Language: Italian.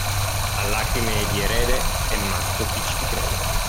A lacrime di erede è matto chi ci crede.